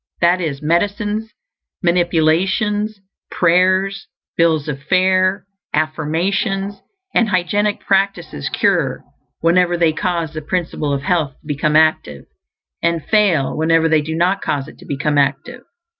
That is, medicines, manipulations, prayers, bills of fare, affirmations, and hygienic practices cure whenever they cause the Principle of Health to become active; and fail whenever they do not cause it to become active.